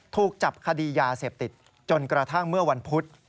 ถูกจับคดียาเสพติดจนกระทั่งเมื่อวันพุธ